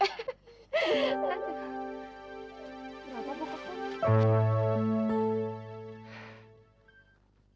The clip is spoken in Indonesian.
kenapa bu kokom